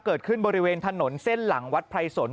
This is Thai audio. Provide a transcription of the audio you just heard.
เกิดขึ้นบริเวณถนนเส้นหลังวัดไพรสน